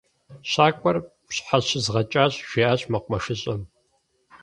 Щакӏуэр пщхьэщызгъэкӏащ, - жиӏащ мэкъумэшыщӏэм.